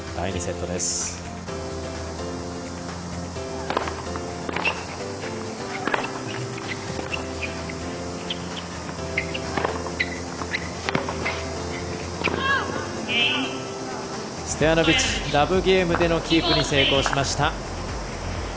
ストヤノビッチラブゲームでのキープに成功しました。